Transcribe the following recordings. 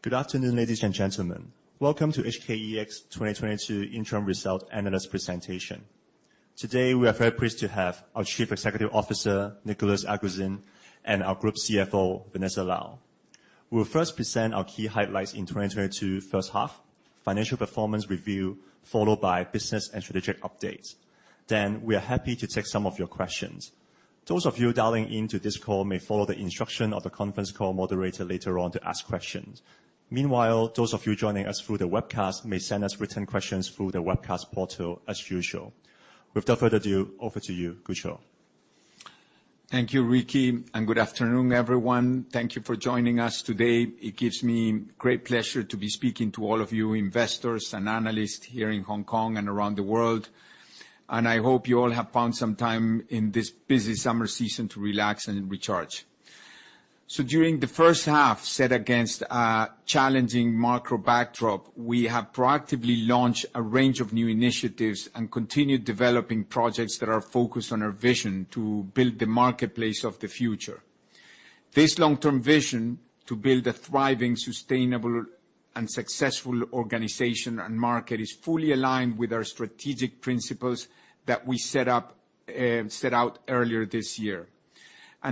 Good afternoon, ladies and gentlemen. Welcome to HKEX 2022 interim results analyst presentation. Today, we are very pleased to have our Chief Executive Officer, Nicolas Aguzin, and our Group CFO, Vanessa Lau. We'll first present our key highlights in 2022 first half, financial performance review, followed by business and strategic updates. We are happy to take some of your questions. Those of you dialing into this call may follow the instruction of the conference call moderator later on to ask questions. Meanwhile, those of you joining us through the webcast may send us written questions through the webcast portal as usual. Without further ado, over to you, Gucho. Thank you, Ricky, and good afternoon, everyone. Thank you for joining us today. It gives me great pleasure to be speaking to all of you investors and analysts here in Hong Kong and around the world, and I hope you all have found some time in this busy summer season to relax and recharge. During the first half, set against a challenging macro backdrop, we have proactively launched a range of new initiatives and continued developing projects that are focused on our vision to build the marketplace of the future. This long-term vision to build a thriving, sustainable, and successful organization and market is fully aligned with our strategic principles that we set up, set out earlier this year.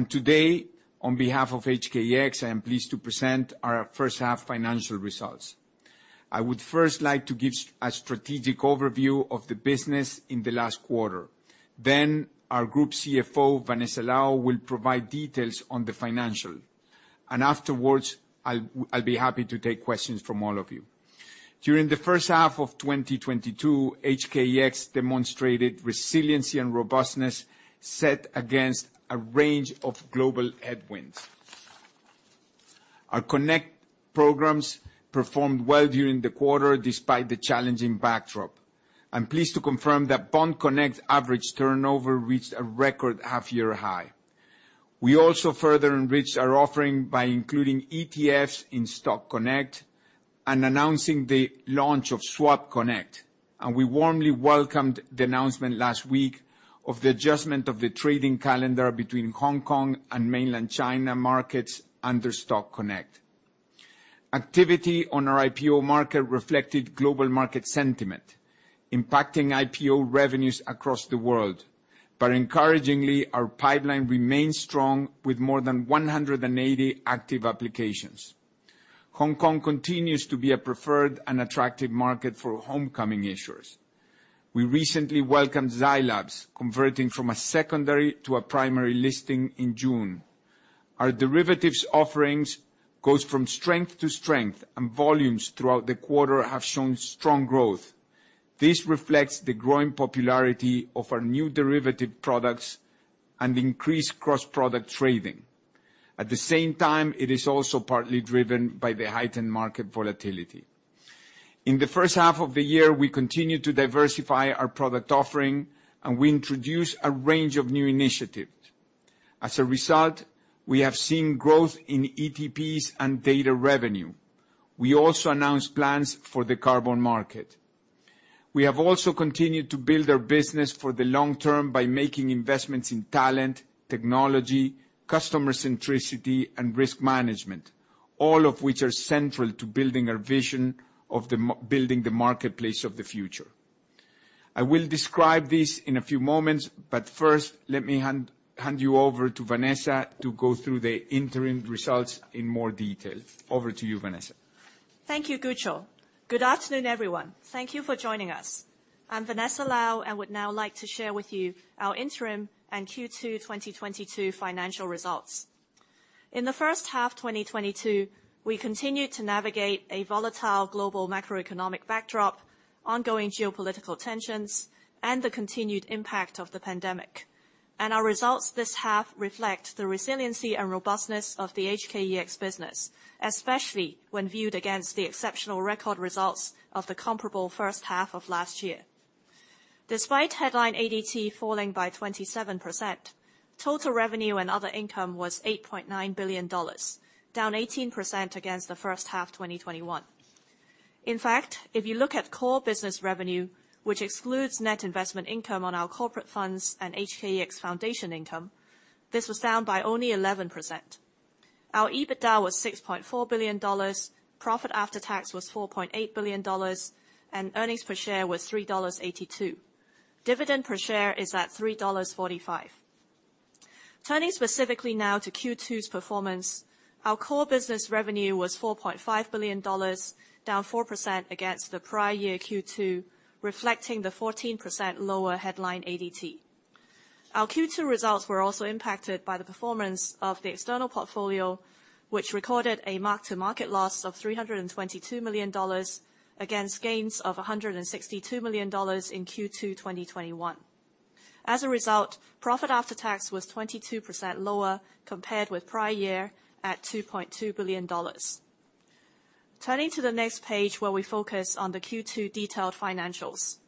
Today, on behalf of HKEX, I am pleased to present our first half financial results. I would first like to give a strategic overview of the business in the last quarter. Then our Group CFO, Vanessa Lau, will provide details on the financial. Afterwards, I'll be happy to take questions from all of you. During the first half of 2022, HKEX demonstrated resiliency and robustness set against a range of global headwinds. Our Connect programs performed well during the quarter despite the challenging backdrop. I'm pleased to confirm that Bond Connect average turnover reached a record half-year high. We also further enriched our offering by including ETFs in Stock Connect and announcing the launch of Swap Connect. We warmly welcomed the announcement last week of the adjustment of the trading calendar between Hong Kong and Mainland China markets under Stock Connect. Activity on our IPO market reflected global market sentiment, impacting IPO revenues across the world. Encouragingly, our pipeline remains strong with more than 180 active applications. Hong Kong continues to be a preferred and attractive market for homecoming issuers. We recently welcomed Zai Lab, converting from a secondary to a primary listing in June. Our derivatives offerings goes from strength to strength, and volumes throughout the quarter have shown strong growth. This reflects the growing popularity of our new derivative products and increased cross-product trading. At the same time, it is also partly driven by the heightened market volatility. In the first half of the year, we continued to diversify our product offering, and we introduced a range of new initiatives. As a result, we have seen growth in ETPs and data revenue. We also announced plans for the carbon market. We have also continued to build our business for the long term by making investments in talent, technology, customer centricity, and risk management, all of which are central to building our vision of the marketplace of the future. I will describe this in a few moments, but first, let me hand you over to Vanessa to go through the interim results in more detail. Over to you, Vanessa. Thank you, Nicolas Aguzin. Good afternoon, everyone. Thank you for joining us. I'm Vanessa Lau, and I would now like to share with you our interim and Q2 2022 financial results. In the first half 2022, we continued to navigate a volatile global macroeconomic backdrop, ongoing geopolitical tensions, and the continued impact of the pandemic. Our results this half reflect the resiliency and robustness of the HKEX business, especially when viewed against the exceptional record results of the comparable first half of last year. Despite headline ADT falling by 27%, total revenue and other income was 8.9 billion dollars, down 18% against the first half 2021. In fact, if you look at core business revenue, which excludes net investment income on our corporate funds and HKEX Foundation income, this was down by only 11%. Our EBITDA was 6.4 billion dollars, profit after tax was 4.8 billion dollars, and earnings per share was 3.82 dollars. Dividend per share is at 3.45 dollars. Turning specifically now to Q2's performance, our core business revenue was 4.5 billion dollars, down 4% against the prior year Q2, reflecting the 14% lower headline ADT. Our Q2 results were also impacted by the performance of the external portfolio, which recorded a mark-to-market loss of 322 million dollars against gains of 162 million dollars in Q2 2021. As a result, profit after tax was 22% lower compared with prior year at 2.2 billion dollars. Turning to the next page where we focus on the Q2 detailed financials.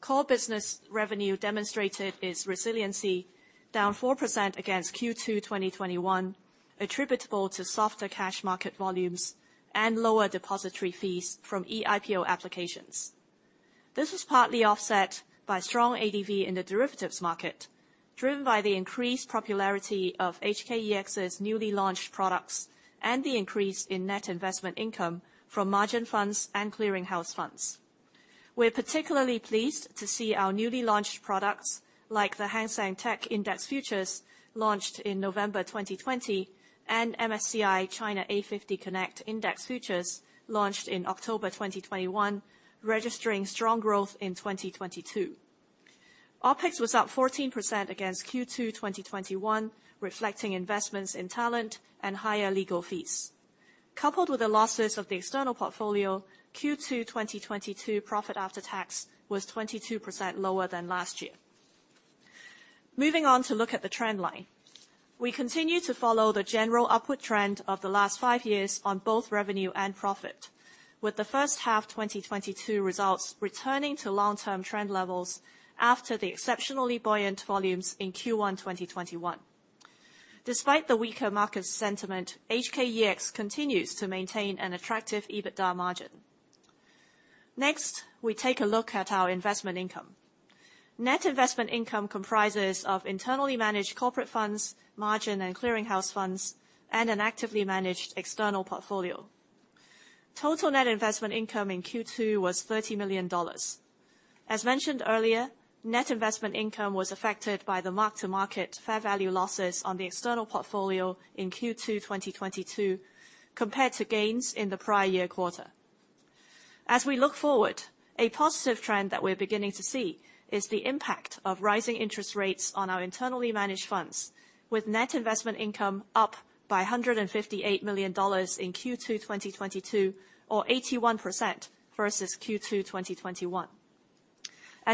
Core business revenue demonstrated its resiliency, down 4% against Q2 2021, attributable to softer cash market volumes and lower depository fees from eIPO applications. This was partly offset by strong ADV in the derivatives market, driven by the increased popularity of HKEX's newly launched products and the increase in net investment income from margin funds and clearinghouse funds. We're particularly pleased to see our newly launched products like the Hang Seng TECH Index Futures launched in November 2020 and MSCI China A 50 Connect Index Futures launched in October 2021, registering strong growth in 2022. OPEX was up 14% against Q2 2021, reflecting investments in talent and higher legal fees. Coupled with the losses of the external portfolio, Q2 2022 profit after tax was 22% lower than last year. Moving on to look at the trend line. We continue to follow the general upward trend of the last five years on both revenue and profit, with the first half 2022 results returning to long-term trend levels after the exceptionally buoyant volumes in Q1 2021. Despite the weaker market sentiment, HKEX continues to maintain an attractive EBITDA margin. Next, we take a look at our investment income. Net investment income comprises of internally managed corporate funds, margin and clearinghouse funds, and an actively managed external portfolio. Total net investment income in Q2 was $30 million. As mentioned earlier, net investment income was affected by the mark-to-market fair value losses on the external portfolio in Q2 2022 compared to gains in the prior year quarter. As we look forward, a positive trend that we're beginning to see is the impact of rising interest rates on our internally managed funds, with net investment income up by 158 million dollars in Q2 2022 or 81% versus Q2 2021.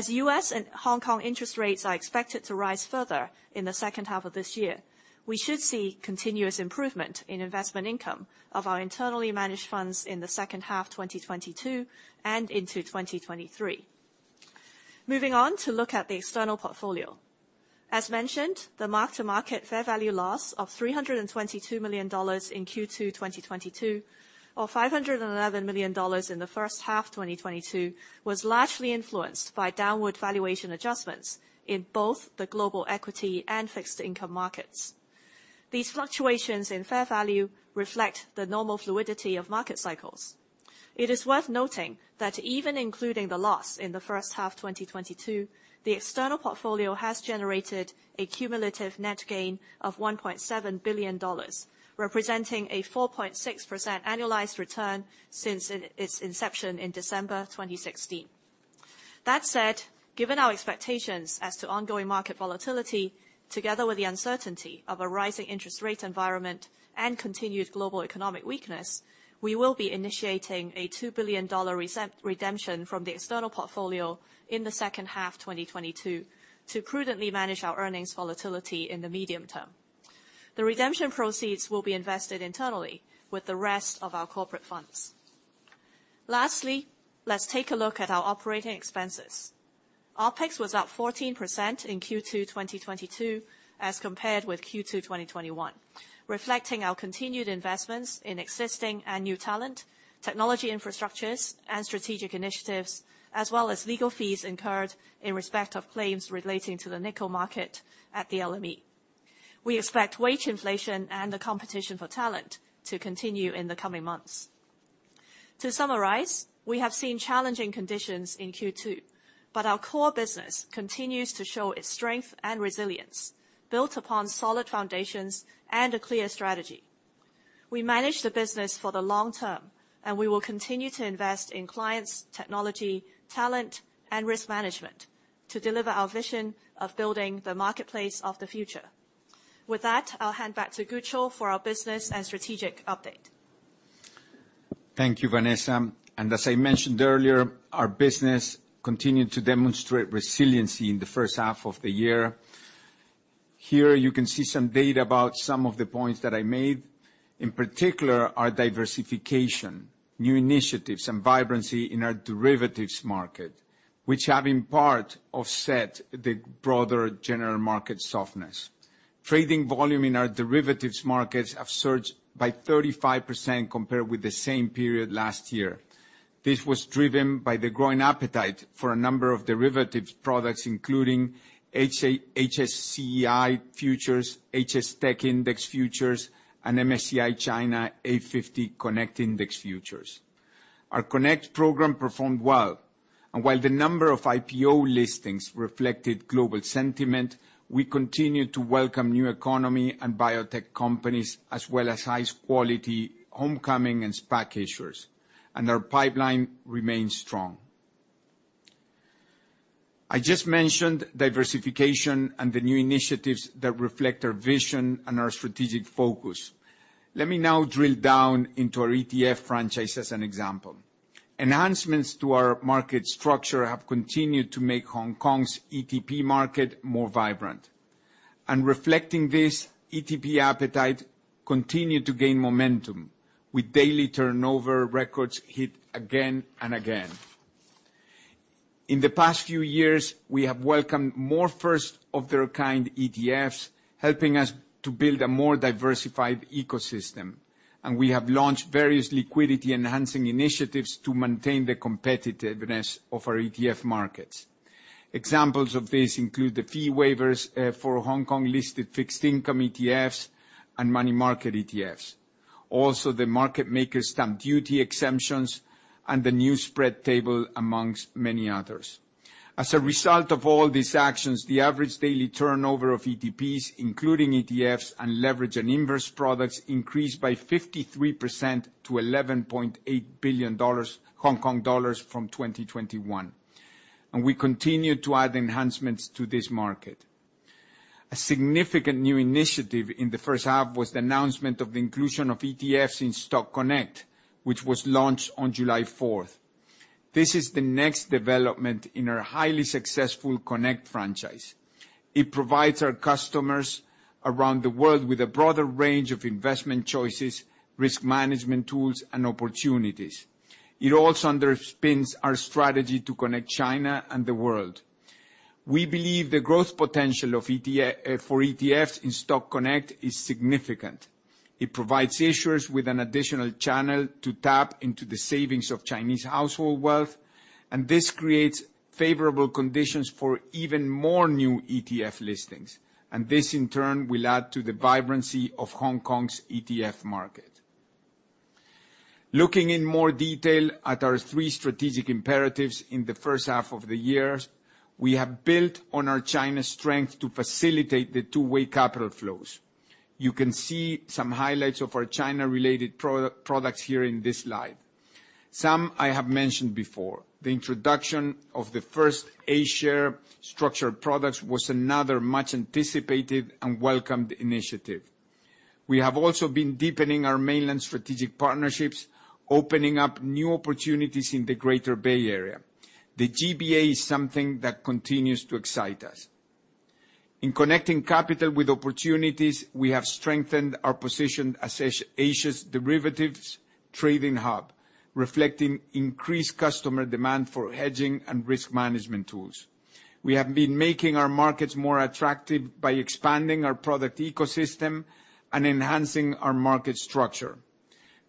U.S. and Hong Kong interest rates are expected to rise further in the second half of this year, we should see continuous improvement in investment income of our internally managed funds in the second half 2022 and into 2023. Moving on to look at the external portfolio. As mentioned, the mark-to-market fair value loss of 322 million dollars in Q2 2022 or 511 million dollars in the first half 2022 was largely influenced by downward valuation adjustments in both the global equity and fixed income markets. These fluctuations in fair value reflect the normal fluidity of market cycles. It is worth noting that even including the loss in the first half 2022, the external portfolio has generated a cumulative net gain of $1.7 billion, representing a 4.6% annualized return since its inception in December 2016. That said, given our expectations as to ongoing market volatility, together with the uncertainty of a rising interest rate environment and continued global economic weakness, we will be initiating a $2 billion redemption from the external portfolio in the second half 2022 to prudently manage our earnings volatility in the medium term. The redemption proceeds will be invested internally with the rest of our corporate funds. Lastly, let's take a look at our operating expenses. OPEX was up 14% in Q2 2022 as compared with Q2 2021, reflecting our continued investments in existing and new talent, technology infrastructures, and strategic initiatives, as well as legal fees incurred in respect of claims relating to the nickel market at the LME. We expect wage inflation and the competition for talent to continue in the coming months. To summarize, we have seen challenging conditions in Q2, but our core business continues to show its strength and resilience built upon solid foundations and a clear strategy. We manage the business for the long term, and we will continue to invest in clients, technology, talent, and risk management to deliver our vision of building the marketplace of the future. With that, I'll hand back to Nicolas Aguzin for our business and strategic update. Thank you, Vanessa. As I mentioned earlier, our business continued to demonstrate resiliency in the first half of the year. Here you can see some data about some of the points that I made, in particular our diversification, new initiatives, and vibrancy in our derivatives market, which have in part offset the broader general market softness. Trading volume in our derivatives markets have surged by 35% compared with the same period last year. This was driven by the growing appetite for a number of derivatives products, including HSI futures, HS TECH Index futures, and MSCI China A 50 Connect Index futures. Our Connect program performed well, and while the number of IPO listings reflected global sentiment, we continued to welcome new economy and biotech companies, as well as high-quality homecoming and SPAC issuers, and our pipeline remains strong. I just mentioned diversification and the new initiatives that reflect our vision and our strategic focus. Let me now drill down into our ETF franchise as an example. Enhancements to our market structure have continued to make Hong Kong's ETP market more vibrant. Reflecting this, ETP appetite continued to gain momentum with daily turnover records hit again and again. In the past few years, we have welcomed more first-of-their-kind ETFs, helping us to build a more diversified ecosystem. We have launched various liquidity enhancing initiatives to maintain the competitiveness of our ETF markets. Examples of this include the fee waivers for Hong Kong-listed fixed income ETFs and money market ETFs. Also, the market makers stamp duty exemptions and the new spread table, among many others. As a result of all these actions, the average daily turnover of ETPs, including ETFs and leverage and inverse products, increased by 53% to 11.8 billion Hong Kong dollars from 2021, and we continue to add enhancements to this market. A significant new initiative in the first half was the announcement of the inclusion of ETFs in Stock Connect, which was launched on July fourth. This is the next development in our highly successful Connect franchise. It provides our customers around the world with a broader range of investment choices, risk management tools and opportunities. It also underpins our strategy to connect China and the world. We believe the growth potential for ETFs in Stock Connect is significant. It provides issuers with an additional channel to tap into the savings of Chinese household wealth, and this creates favorable conditions for even more new ETF listings, and this, in turn, will add to the vibrancy of Hong Kong's ETF market. Looking in more detail at our three strategic imperatives in the first half of the year, we have built on our China strength to facilitate the two-way capital flows. You can see some highlights of our China-related products here in this slide. Some I have mentioned before. The introduction of the first A-share structured products was another much anticipated and welcomed initiative. We have also been deepening our mainland strategic partnerships, opening up new opportunities in the Greater Bay Area. The GBA is something that continues to excite us. In connecting capital with opportunities, we have strengthened our position as Asia's derivatives trading hub, reflecting increased customer demand for hedging and risk management tools. We have been making our markets more attractive by expanding our product ecosystem and enhancing our market structure.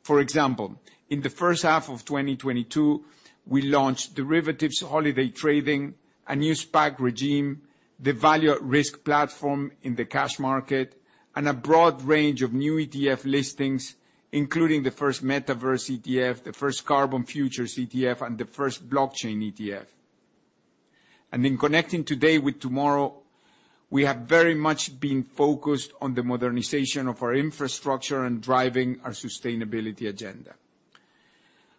For example, in the first half of 2022, we launched derivatives holiday trading, a new SPAC regime, the Value at Risk platform in the cash market, and a broad range of new ETF listings, including the first Metaverse ETF, the first Carbon Futures ETF, and the first Blockchain ETF. In connecting today with tomorrow, we have very much been focused on the modernization of our infrastructure and driving our sustainability agenda.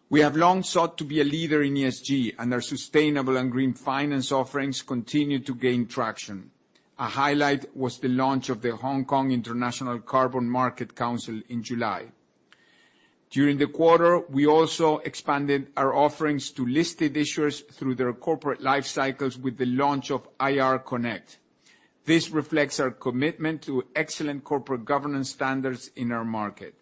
We have long sought to be a leader in ESG, and our sustainable and green finance offerings continue to gain traction. A highlight was the launch of the Hong Kong International Carbon Market Council in July. During the quarter, we also expanded our offerings to listed issuers through their corporate life cycles with the launch of IR Connect. This reflects our commitment to excellent corporate governance standards in our market.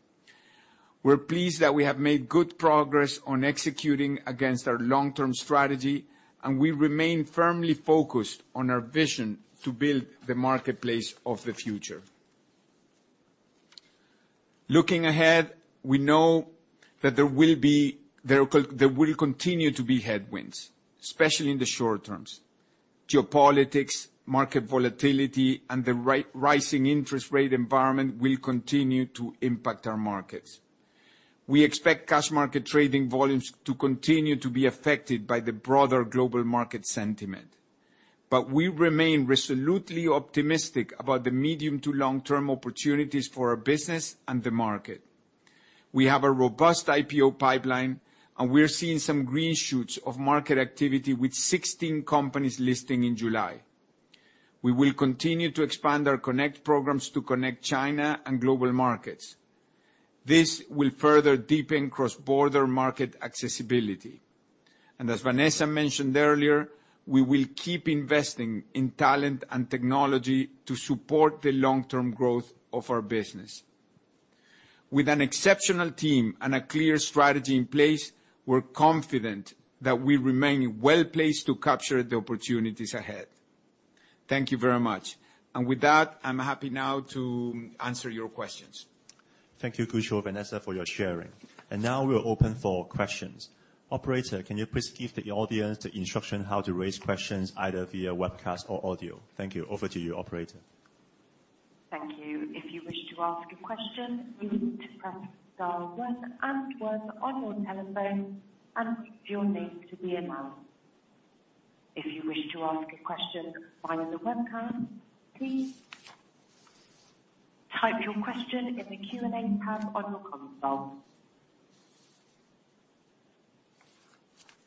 We're pleased that we have made good progress on executing against our long-term strategy, and we remain firmly focused on our vision to build the marketplace of the future. Looking ahead, we know that there will continue to be headwinds, especially in the short term. Geopolitics, market volatility, and the rising interest rate environment will continue to impact our markets. We expect cash market trading volumes to continue to be affected by the broader global market sentiment. We remain resolutely optimistic about the medium to long-term opportunities for our business and the market. We have a robust IPO pipeline, and we're seeing some green shoots of market activity with 16 companies listing in July. We will continue to expand our Connect programs to connect China and global markets. This will further deepen cross-border market accessibility. As Vanessa mentioned earlier, we will keep investing in talent and technology to support the long-term growth of our business. With an exceptional team and a clear strategy in place, we're confident that we remain well-placed to capture the opportunities ahead. Thank you very much. With that, I'm happy now to answer your questions. Thank you, Nicolas Aguzin, Vanessa, for your sharing. Now we are open for questions. Operator, can you please give the audience the instruction how to raise questions either via webcast or audio? Thank you. Over to you, operator. Thank you. If you wish to ask a question, you need to press star one and one on your telephone and your name to be announced. If you wish to ask a question via the webcast, please type your question in the Q&A tab on your console.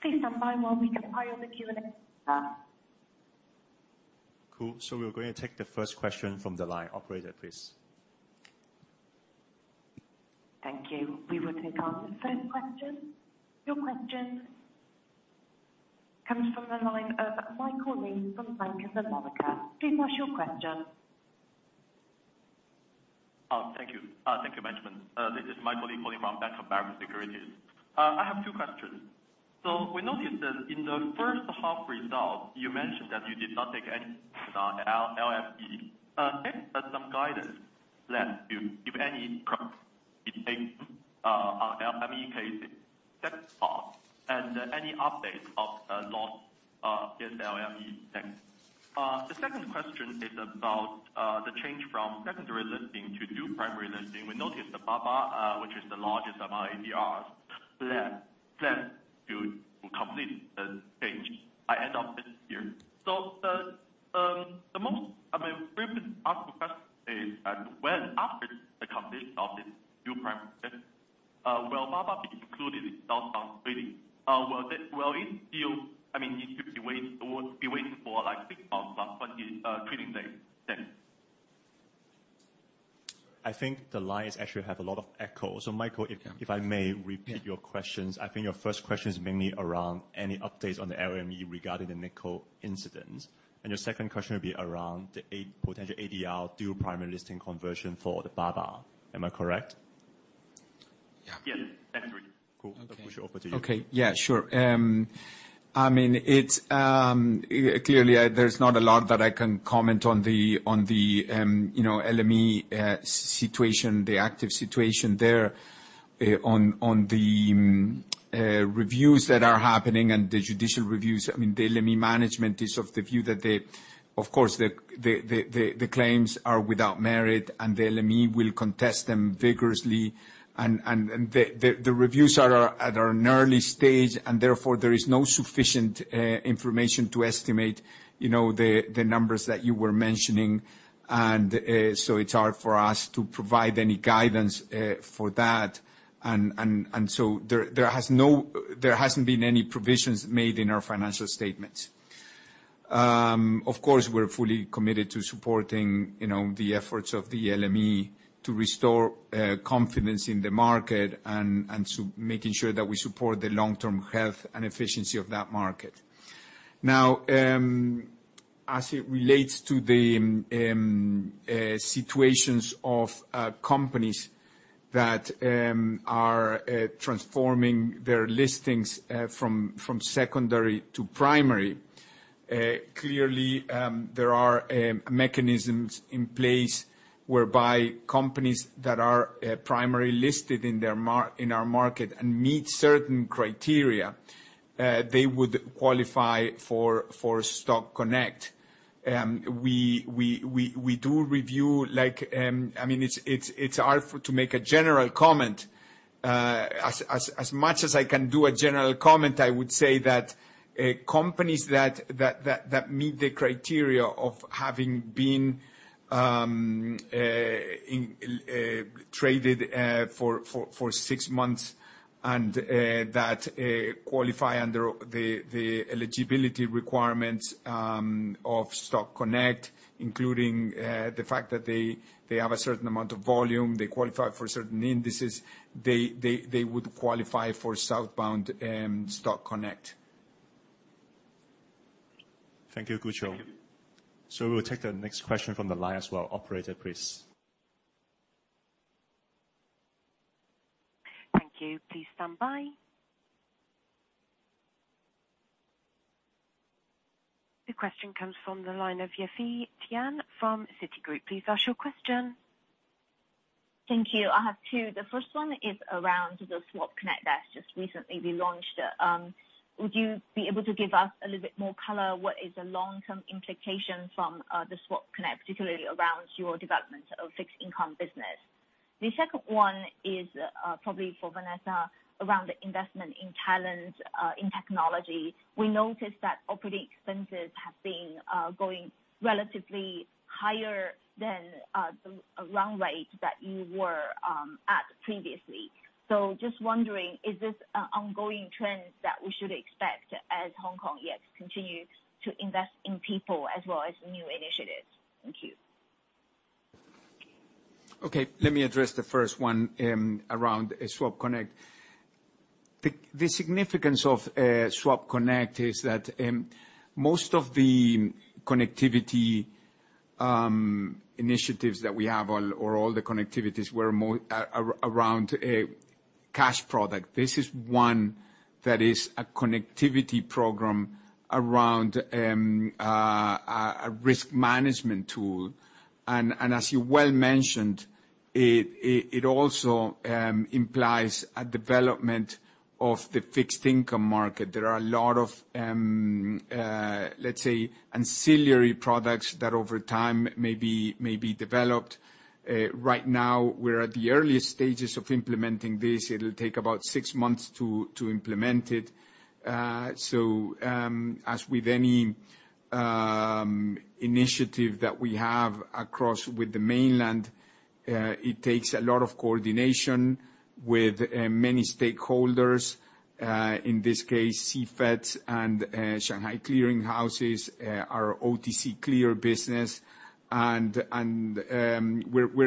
Please stand by while we compile the Q&A. Cool. We're going to take the first question from the line. Operator, please. Thank you. We will take our first question. Your question comes from the line of Michael Lee from Bank of America. Please ask your question. Thank you. Thank you, Benjamin. This is Michael Lee calling from Bank of America Securities. I have two questions. We noticed that in the first half results, you mentioned that you did not take any on LME. Can you add some guidance then to if any on LME catastrophe and any updates of loss in LME expense. The second question is about the change from secondary listing to dual primary listing. We noticed that Alibaba, which is the largest among ADRs plans to complete the change by end of this year. I mean, we've been asked the question is that when after the completion of this dual primary listing, will Alibaba be included in southbound trading? Will it still? I mean, it could be waiting for like six months like when the trading day then. I think the line actually has a lot of echo. Michael- Yeah. If I may repeat your questions. I think your first question is mainly around any updates on the LME regarding the nickel incident. Your second question would be around the HFCAA potential ADR dual primary listing conversion for the Baba. Am I correct? Yeah. Yes, that's right. Cool. Okay. I'll push it over to you. Okay. Yeah, sure. I mean, it's clearly there's not a lot that I can comment on the, you know, LME situation, the LME situation there, on the reviews that are happening and the judicial reviews. I mean, the LME management is of the view that they. Of course, the claims are without merit, and the LME will contest them vigorously. The reviews are at an early stage, and therefore there is no sufficient information to estimate, you know, the numbers that you were mentioning. It's hard for us to provide any guidance for that. There hasn't been any provisions made in our financial statements. Of course, we're fully committed to supporting, you know, the efforts of the LME to restore confidence in the market and so making sure that we support the long-term health and efficiency of that market. Now, as it relates to the situations of companies that are transforming their listings from secondary to primary, clearly, there are mechanisms in place whereby companies that are primary listed in our market and meet certain criteria, they would qualify for Stock Connect. We do review like, I mean, it's hard to make a general comment. As much as I can do a general comment, I would say that companies that meet the criteria of having been traded for six months and that qualify under the eligibility requirements of Stock Connect, including the fact that they have a certain amount of volume, they qualify for certain indices, they would qualify for southbound Stock Connect. Thank you, Nicolas Aguzin. Thank you. We'll take the next question from the line as well. Operator, please. Thank you. Please stand by. The question comes from the line of Yafei Tian from Citigroup. Please ask your question. Thank you. I have two. The first one is around the Swap Connect that's just recently been launched. Would you be able to give us a little bit more color what is the long-term implication from the Swap Connect, particularly around your development of fixed income business? The second one is probably for Vanessa around the investment in talent in technology. We noticed that operating expenses have been going relatively higher than the run rate that you were at previously. Just wondering, is this an ongoing trend that we should expect as HKEX continues to invest in people as well as new initiatives? Thank you. Okay. Let me address the first one around Swap Connect. The significance of Swap Connect is that most of the connectivity initiatives that we have or all the connectivities were more around a cash product. This is one that is a connectivity program around a risk management tool. As you well mentioned, it also implies a development of the fixed income market. There are a lot of let's say, ancillary products that over time may be developed. Right now we're at the earliest stages of implementing this. It'll take about six months to implement it. As with any initiative that we have across with the mainland, it takes a lot of coordination with many stakeholders, in this case, CFETS and Shanghai Clearing House, our OTC Clear business. We're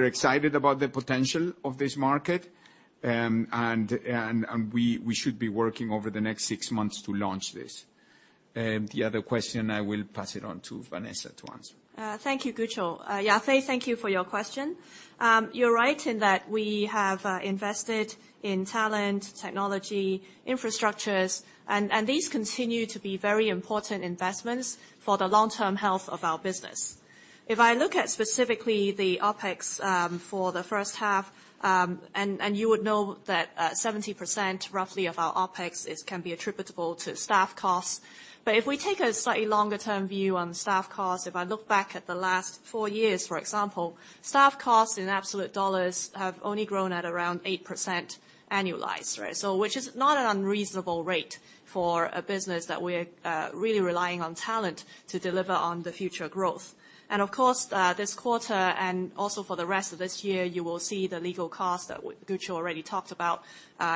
excited about the potential of this market. We should be working over the next six months to launch this. The other question, I will pass it on to Vanessa to answer. Thank you, Nicolas Aguzin. Yafei Tian, thank you for your question. You're right in that we have invested in talent, technology, infrastructures, and these continue to be very important investments for the long-term health of our business. If I look at specifically the OPEX for the first half, and you would know that, roughly 70% of our OPEX can be attributable to staff costs, but if we take a slightly longer term view on staff costs, if I look back at the last four years, for example, staff costs in absolute dollars have only grown at around 8% annualized. Right? Which is not an unreasonable rate for a business that we're really relying on talent to deliver on the future growth. Of course, this quarter, and also for the rest of this year, you will see the legal costs that Nicolas Aguzin already talked about,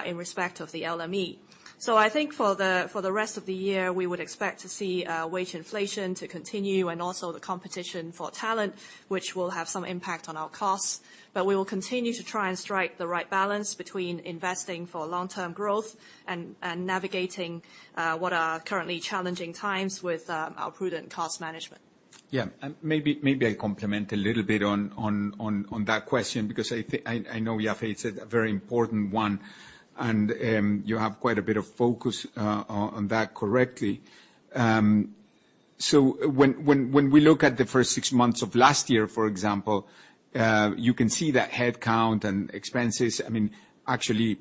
in respect of the LME. I think for the rest of the year, we would expect to see wage inflation to continue and also the competition for talent, which will have some impact on our costs. We will continue to try and strike the right balance between investing for long-term growth and navigating what are currently challenging times with our prudent cost management. Yeah. Maybe I comment a little bit on that question because I know Yafei said a very important one, and you have quite a bit of focus on that correctly. When we look at the first six months of last year, for example, you can see that headcount and expenses, I mean, actually,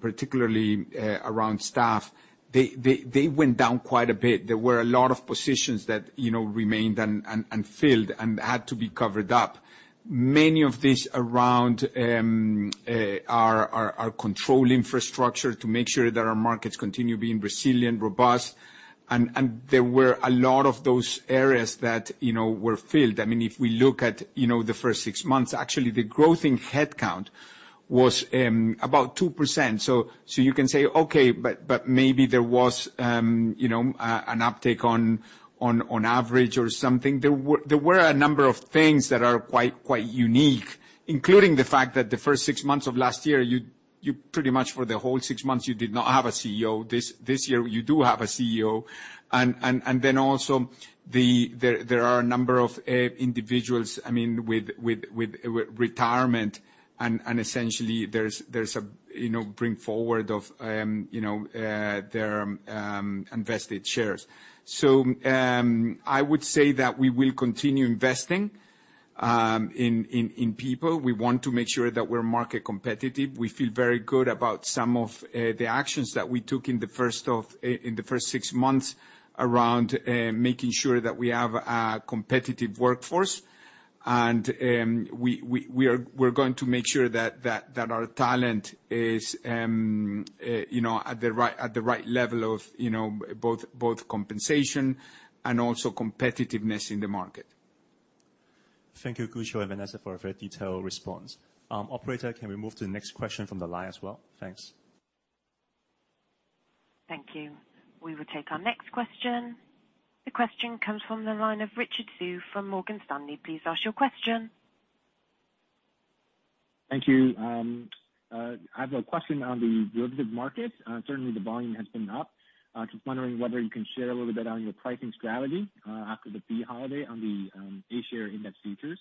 particularly around staff, they went down quite a bit. There were a lot of positions that you know remained unfilled and had to be covered up. Many of these around our control infrastructure to make sure that our markets continue being resilient, robust. There were a lot of those areas that you know were filled. I mean, if we look at, you know, the first six months, actually the growth in headcount was about 2%. You can say, "Okay, but maybe there was, you know, an uptick on average or something." There were a number of things that are quite unique, including the fact that the first six months of last year, you pretty much for the whole six months you did not have a CEO. This year you do have a CEO. Then also there are a number of individuals, I mean, with retirement and essentially there's a, you know, bring forward of, you know, their invested shares. I would say that we will continue investing in people. We want to make sure that we're market competitive. We feel very good about some of the actions that we took in the first six months around making sure that we have a competitive workforce. We're going to make sure that our talent is, you know, at the right level of, you know, both compensation and also competitiveness in the market. Thank you, Nicolas Aguzin and Vanessa Lau, for a very detailed response. Operator, can we move to the next question from the line as well? Thanks. Thank you. We will take our next question. The question comes from the line of Richard Xu from Morgan Stanley. Please ask your question. Thank you. I have a question on the derivative market. Certainly the volume has been up. Just wondering whether you can share a little bit on your pricing strategy after the fee holiday on the A-share index futures.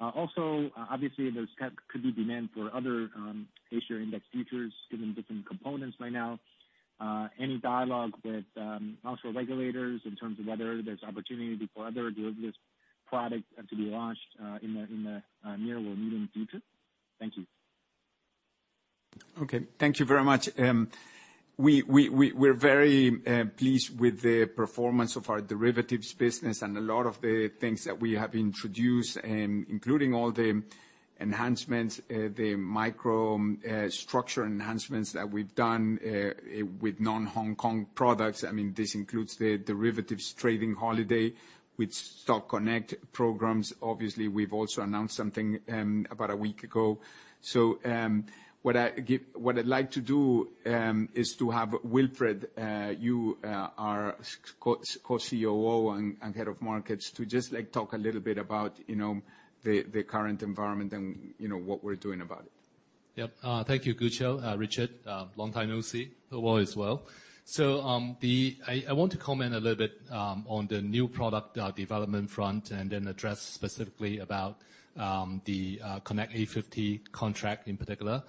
Also, obviously there could be demand for other A-share index futures given different components right now. Any dialogue also with regulators in terms of whether there's opportunity for other derivatives product to be launched in the near or medium future? Thank you. Okay, thank you very much. We're very pleased with the performance of our derivatives business and a lot of the things that we have introduced, including all the enhancements, the microstructure enhancements that we've done with non-Hong Kong products. I mean, this includes the derivatives trading holiday with Stock Connect programs. Obviously, we've also announced something about a week ago. What I'd like to do is to have Wilfred Yiu, our Co-COO and Head of Markets to just like talk a little bit about, you know, the current environment and, you know, what we're doing about it. Yep. Thank you, Nicolas Aguzin. Richard, long time no see. Hello as well. I want to comment a little bit on the new product development front, and then address specifically about the China A 50 Connect contract in particular.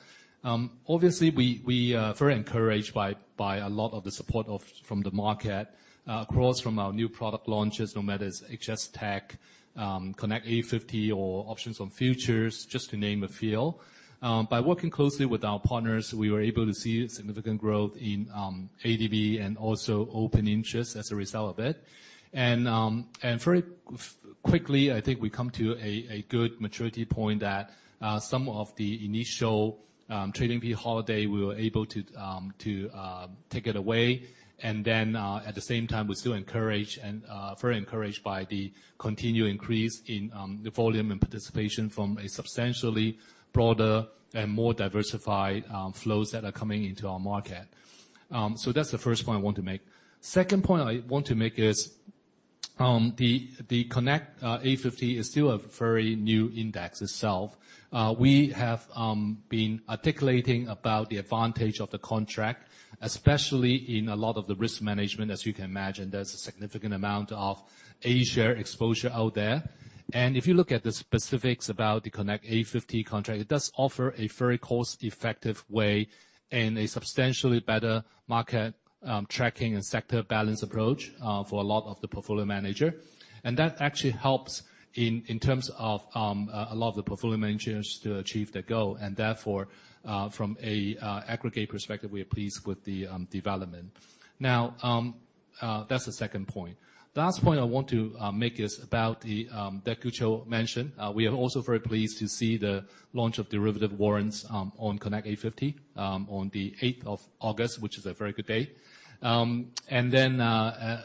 Obviously, we are very encouraged by a lot of the support from the market across our new product launches, no matter if it's HS TECH, China A 50 Connect or Options on Futures, just to name a few. By working closely with our partners, we were able to see significant growth in ADV and also open interest as a result of it. Very quickly, I think we come to a good maturity point that some of the initial trading fee holiday, we were able to take it away. At the same time, we're still encouraged and very encouraged by the continued increase in the volume and participation from a substantially broader and more diversified flows that are coming into our market. That's the first point I want to make. Second point I want to make is the Connect A50 is still a very new index itself. We have been articulating about the advantage of the contract, especially in a lot of the risk management. As you can imagine, there's a significant amount of Asia exposure out there. If you look at the specifics about the Connect A50 contract, it does offer a very cost-effective way and a substantially better market tracking and sector balance approach for a lot of the portfolio managers. That actually helps in terms of a lot of the portfolio managers to achieve their goal, and therefore from an aggregate perspective, we are pleased with the development. Now that's the second point. Last point I want to make is about that Nicolas Aguzin mentioned. We are also very pleased to see the launch of derivative warrants on Connect A50 on the eighth of August, which is a very good day. The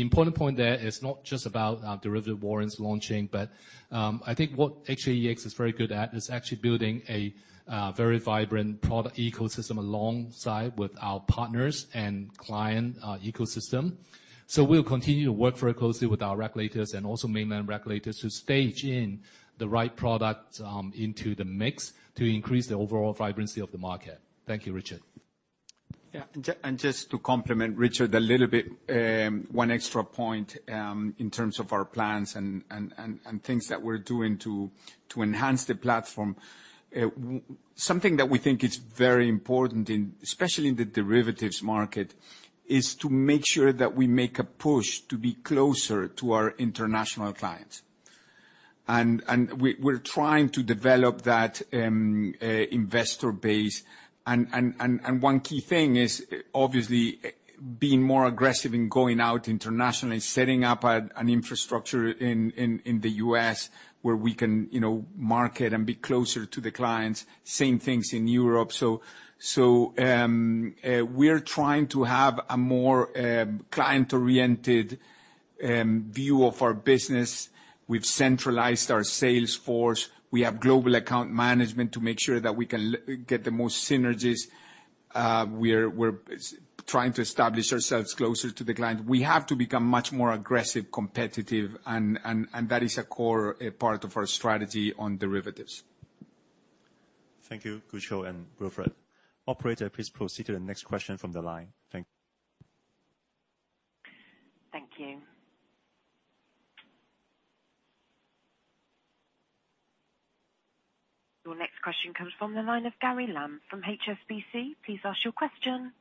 important point there is not just about derivative warrants launching, but I think what actually HKEX is very good at is actually building a very vibrant product ecosystem alongside with our partners and client ecosystem. We'll continue to work very closely with our regulators and also mainland regulators to stage in the right products into the mix to increase the overall vibrancy of the market. Thank you, Richard. Yeah. Just to complement Richard a little bit, one extra point, in terms of our plans and things that we're doing to enhance the platform. Something that we think is very important, especially in the derivatives market, is to make sure that we make a push to be closer to our international clients. We're trying to develop that investor base. One key thing is obviously being more aggressive in going out internationally, setting up an infrastructure in the US where we can, you know, market and be closer to the clients. Same things in Europe. We're trying to have a more client-oriented view of our business. We've centralized our sales force. We have global account management to make sure that we can get the most synergies. We're trying to establish ourselves closer to the client. We have to become much more aggressive, competitive, and that is a core part of our strategy on derivatives. Thank you, Nicolas Aguzin and Wilfred Yiu. Operator, please proceed to the next question from the line. Thank you. Thank you. Your next question comes from the line of Gary Lam from HSBC. Please ask your question.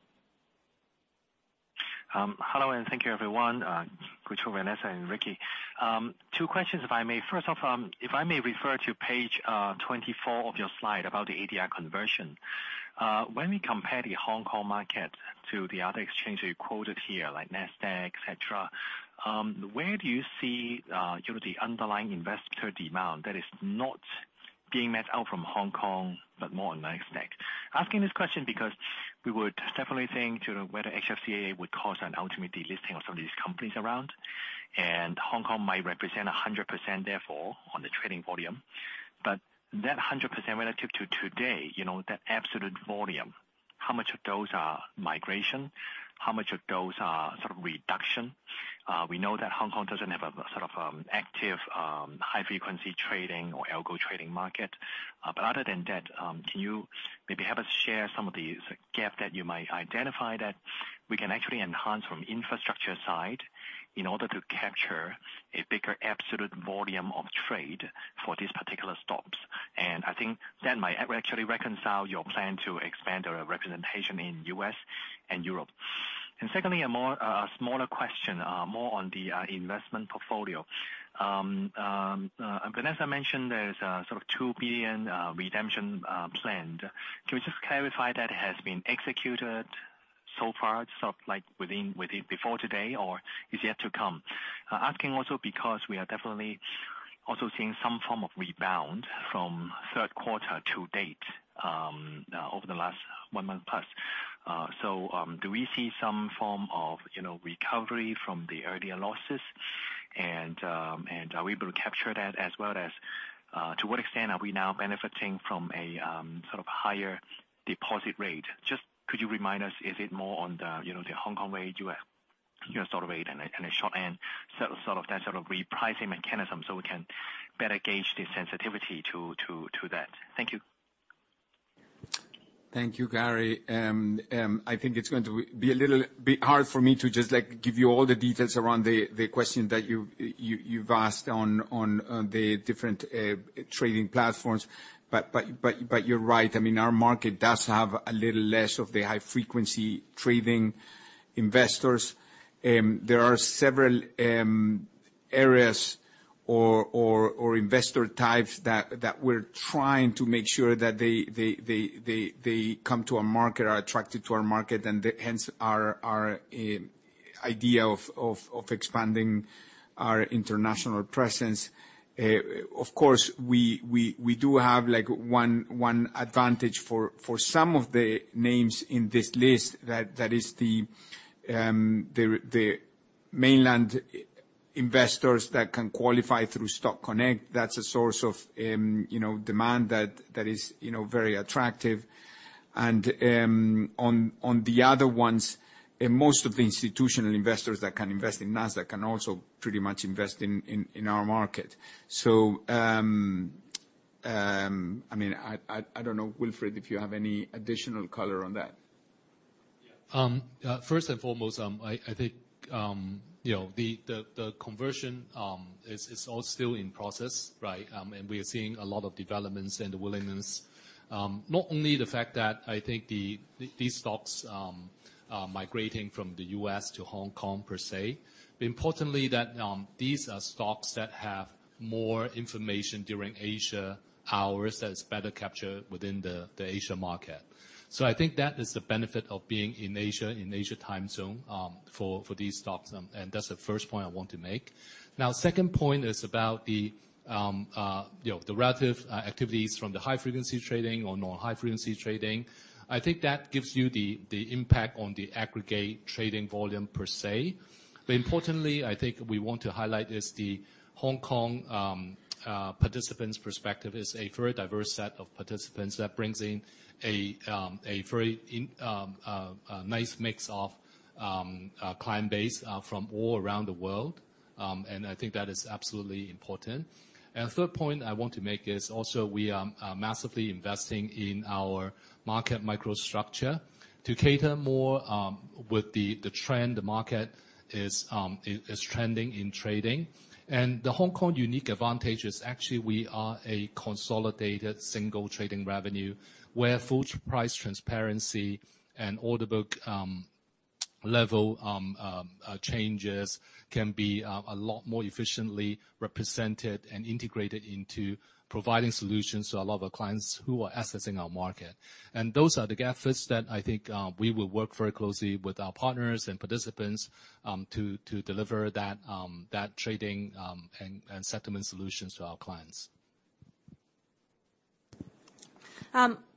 Hello and thank you, everyone, Nicolas Aguzin, Vanessa Lau, and Ricky Choi. Two questions, if I may. First off, if I may refer to page 24 of your slide about the ADR conversion. When we compare the Hong Kong market to the other exchanges quoted here, like Nasdaq, et cetera, where do you see, you know, the underlying investor demand that is not being met out from Hong Kong, but more on Nasdaq? Asking this question because we were definitely waiting to see whether HFCAA would cause an ultimate delisting of some of these companies around, and Hong Kong might represent 100% therefore on the trading volume. That 100% relative to today, you know, that absolute volume, how much of those are migration? How much of those are sort of reduction? We know that Hong Kong doesn't have a sort of active high-frequency trading or algo trading market, but other than that, can you maybe have us share some of these like gap that you might identify that we can actually enhance from infrastructure side in order to capture a bigger absolute volume of trade for these particular stocks? I think that might actually reconcile your plan to expand your representation in U.S. and Europe. Secondly, a more smaller question, more on the investment portfolio. Vanessa mentioned there's a sort of 2 billion redemption planned. Can we just clarify that has been executed so far, sort of like within before today or is yet to come? Asking also because we are definitely also seeing some form of rebound from third quarter to date, over the last one month plus. Do we see some form of, you know, recovery from the earlier losses? Are we able to capture that as well as, to what extent are we now benefiting from a sort of higher deposit rate? Just could you remind us, is it more on the, you know, the Hong Kong rate, US, you know, sort of rate and a, and a short end, so sort of that sort of repricing mechanism so we can better gauge the sensitivity to that? Thank you. Thank you, Gary. I think it's going to be a little bit hard for me to just, like, give you all the details around the question that you've asked on the different trading platforms. You're right. I mean, our market does have a little less of the high-frequency trading investors. There are several areas or investor types that we're trying to make sure that they come to our market, are attracted to our market, and hence our idea of expanding our international presence. Of course, we do have like one advantage for some of the names in this list that is the mainland investors that can qualify through Stock Connect. That's a source of, you know, demand that is, you know, very attractive. On the other ones, most of the institutional investors that can invest in Nasdaq can also pretty much invest in our market. I mean, I don't know, Wilfred, if you have any additional color on that. First and foremost, I think, you know, the conversion is all still in process, right? We are seeing a lot of developments and the willingness, not only the fact that I think these stocks are migrating from the U.S. to Hong Kong per se, but importantly that these are stocks that have more information during Asia hours that is better captured within the Asia market. I think that is the benefit of being in Asia, in Asia time zone, for these stocks, and that's the first point I want to make. Now, second point is about, you know, the relative activities from the high-frequency trading or non-high-frequency trading. I think that gives you the impact on the aggregate trading volume per se. Importantly, I think we want to highlight is the Hong Kong participants' perspective is a very diverse set of participants that brings in a nice mix of client base from all around the world. I think that is absolutely important. Third point I want to make is also we are massively investing in our market microstructure to cater more with the trend the market is trending in trading. The Hong Kong unique advantage is actually we are a consolidated single trading venue, where full price transparency and order book level changes can be a lot more efficiently represented and integrated into providing solutions to a lot of our clients who are accessing our market. Those are the efforts that I think we will work very closely with our partners and participants to deliver that trading and settlement solutions to our clients.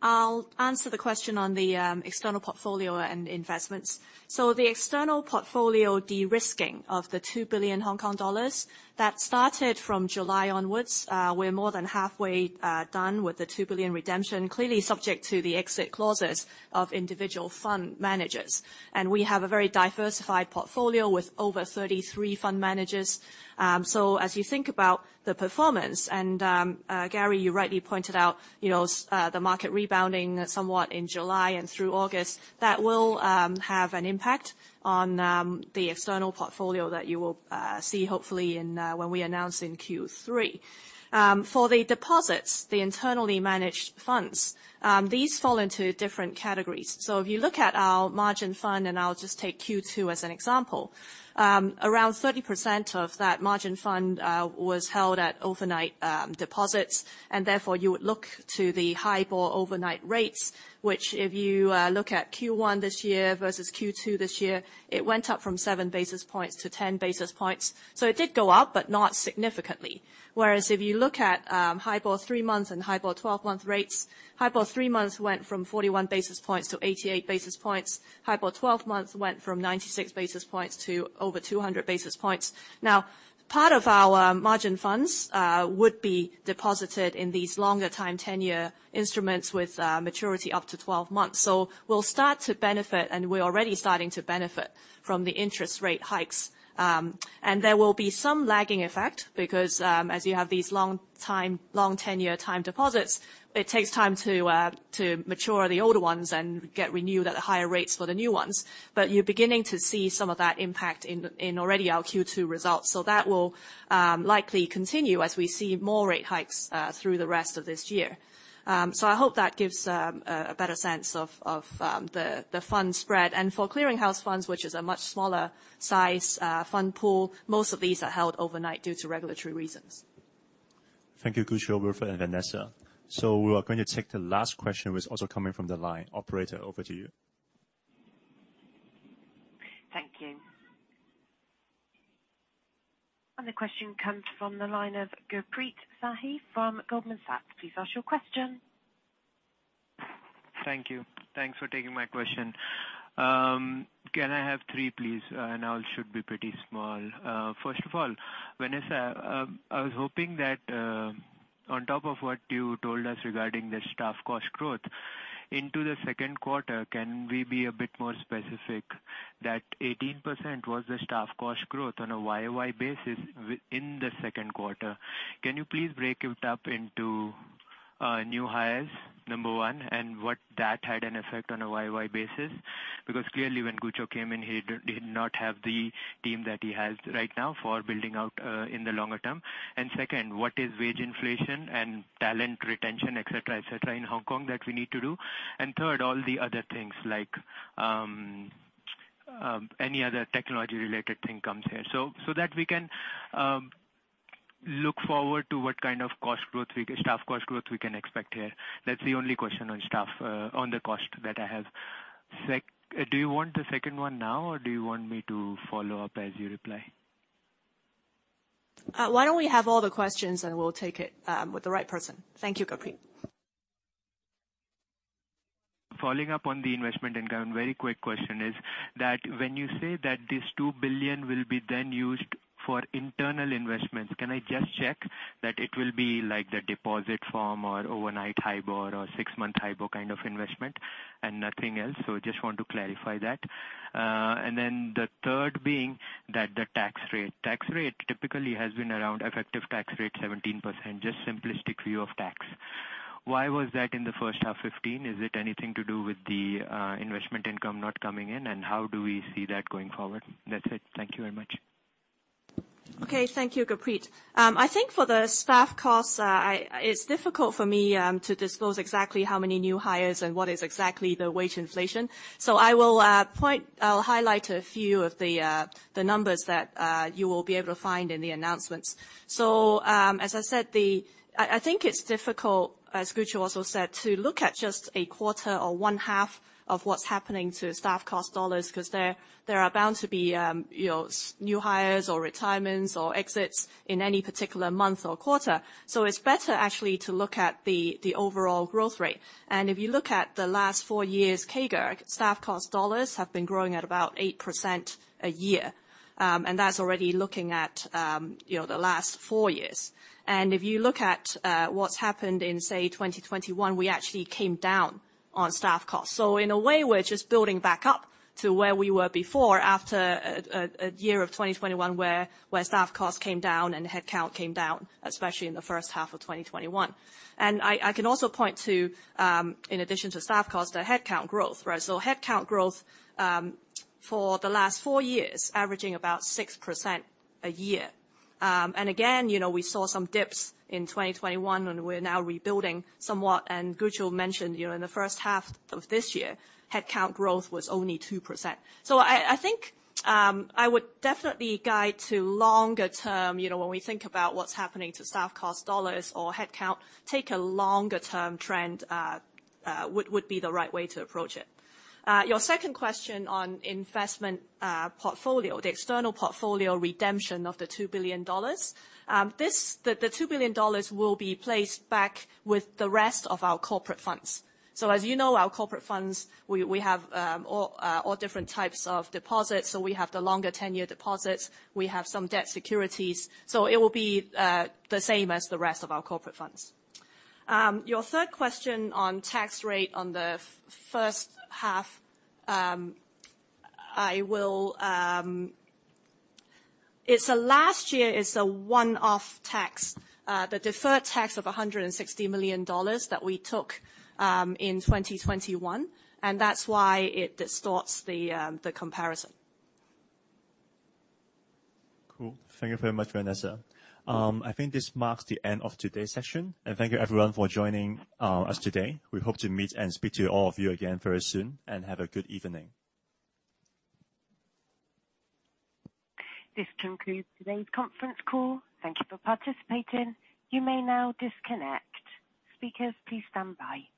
I'll answer the question on the external portfolio and investments. The external portfolio de-risking of the 2 billion Hong Kong dollars, that started from July onwards. We're more than halfway done with the 2 billion redemption, clearly subject to the exit clauses of individual fund managers. We have a very diversified portfolio with over 33 fund managers. As you think about the performance, and Gary, you rightly pointed out, you know, the market rebounding somewhat in July and through August, that will have an impact on the external portfolio that you will see hopefully when we announce in Q3. For the deposits, the internally managed funds, these fall into different categories. If you look at our margin fund, and I'll just take Q2 as an example, around 30% of that margin fund was held at overnight deposits, and therefore you would look to the HIBOR overnight rates, which if you look at Q1 this year versus Q2 this year, it went up from seven basis points to 10 basis points. It did go up, but not significantly. Whereas if you look at HIBOR three months and HIBOR 12-month rates, HIBOR three months went from 41 basis points to 88 basis points. HIBOR 12 months went from 96 basis points to over 200 basis points. Now, part of our margin funds would be deposited in these longer time tenure instruments with maturity up to 12 months. We'll start to benefit, and we're already starting to benefit from the interest rate hikes. There will be some lagging effect because as you have these long-term, long-tenor time deposits, it takes time to mature the older ones and get renewed at the higher rates for the new ones. You're beginning to see some of that impact in already our Q2 results. That will likely continue as we see more rate hikes through the rest of this year. I hope that gives a better sense of the fund spread. For clearinghouse funds, which is a much smaller size fund pool, most of these are held overnight due to regulatory reasons. Thank you, Gucho, Wilfred, and Vanessa. We are going to take the last question, which is also coming from the line. Operator, over to you. Thank you. The question comes from the line of Gurpreet Singh Sahi from Goldman Sachs. Please ask your question. Thank you. Thanks for taking my question. Can I have three, please? And all should be pretty small. First of all, Vanessa, I was hoping that, on top of what you told us regarding the staff cost growth into the second quarter, can we be a bit more specific that 18% was the staff cost growth on a YOY basis within the second quarter? Can you please break it up into new hires, number one, and what that had an effect on a YOY basis? Because clearly when Nicolas Aguzin came in, he did not have the team that he has right now for building out in the longer term. Second, what is wage inflation and talent retention, et cetera, et cetera, in Hong Kong that we need to do? Third, all the other things like any other technology-related thing comes here. That we can look forward to what kind of cost growth we can staff cost growth we can expect here. That's the only question on staff on the cost that I have. Do you want the second one now, or do you want me to follow up as you reply? Why don't we have all the questions and we'll take it with the right person. Thank you, Gurpreet. Following up on the investment income, very quick question is that when you say that this 2 billion will be then used for internal investments, can I just check that it will be like the deposit form or overnight HIBOR or six-month HIBOR kind of investment? Nothing else. Just want to clarify that. Then the third being that the tax rate. Tax rate typically has been around effective tax rate 17%, just simplistic view of tax. Why was that in the first half 15%? Is it anything to do with the investment income not coming in? And how do we see that going forward? That's it. Thank you very much. Okay, thank you, Gurpreet. I think for the staff costs, it's difficult for me to disclose exactly how many new hires and what is exactly the wage inflation. I will highlight a few of the numbers that you will be able to find in the announcements. I think it's difficult, as Nicolas Aguzin also said, to look at just a quarter or one half of what's happening to staff cost dollars, 'cause there are bound to be, you know, new hires or retirements or exits in any particular month or quarter. It's better actually to look at the overall growth rate. If you look at the last four years, CAGR, staff cost dollars have been growing at about 8% a year. That's already looking at, you know, the last four years. If you look at what's happened in, say, 2021, we actually came down on staff costs. In a way, we're just building back up to where we were before, after a year of 2021, where staff costs came down and headcount came down, especially in the first half of 2021. I can also point to, in addition to staff costs, the headcount growth, right? Headcount growth for the last four years, averaging about 6% a year. Again, you know, we saw some dips in 2021, and we're now rebuilding somewhat. Nicolas Aguzin mentioned, you know, in the first half of this year, headcount growth was only 2%. I think I would definitely guide to longer term, you know, when we think about what's happening to staff cost dollars or headcount, take a longer term trend would be the right way to approach it. Your second question on investment portfolio, the external portfolio redemption of the 2 billion dollars. The 2 billion dollars will be placed back with the rest of our corporate funds. As you know, our corporate funds, we have all different types of deposits. We have the 10-year deposits. We have some debt securities. It will be the same as the rest of our corporate funds. Your third question on tax rate on the first half, I will. It's from last year, it's a one-off tax, the deferred tax of 160 million dollars that we took in 2021, and that's why it distorts the comparison. Cool. Thank you very much, Vanessa. I think this marks the end of today's session, and thank you everyone for joining us today. We hope to meet and speak to all of you again very soon, and have a good evening. This concludes today's conference call. Thank you for participating. You may now disconnect. Speakers, please stand by.